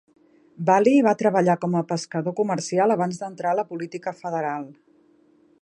Valley va treballar com a pescador comercial abans d'entrar a la política federal.